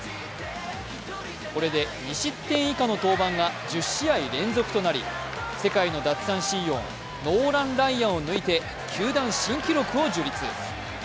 これで２失点以下の登板が１０試合連続となり世界の奪三振王ノーラン・ライアンを抜いて球団新記録を樹立。